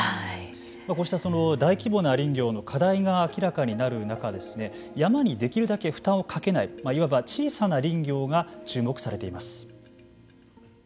こうした大規模な林業の課題が明らかになる中山にできるだけ負担をかけないいわば小さな林業が注目されています。